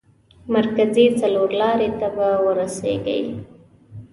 مرکزي څلور لارې ته به ورسېږئ.